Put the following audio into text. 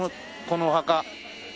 このお墓。